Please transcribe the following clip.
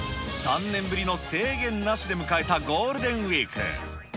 ３年ぶりの制限なしで迎えたゴールデンウィーク。